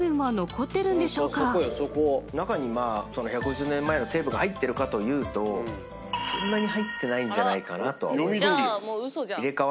中に１５０年前の成分が入ってるかというとそんなに入ってないんじゃないかなとは思います。